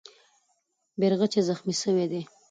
بیرغچی زخمي سوی دی.